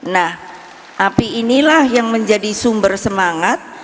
nah api inilah yang menjadi sumber semangat